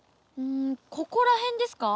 んここら辺ですか？